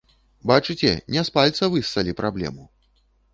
Бачыце, не з пальца выссалі праблему!